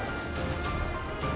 masak untuk al